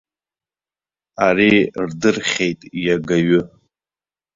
Ари рдырхьеит иагаҩы.